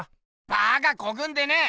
バカこくんでねぇ！